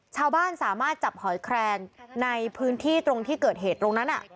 สามารถจับหอยแครงในพื้นที่ตรงที่เกิดเหตุตรงนั้น